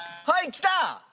はいきた！